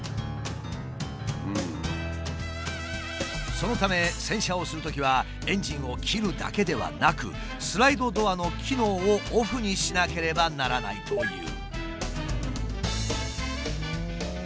そのため洗車をするときはエンジンを切るだけではなくスライドドアの機能をオフにしなければならないという。